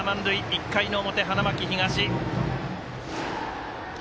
１回の表、花巻東。